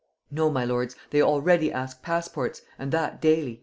No, my lords, they already ask passports, and that daily."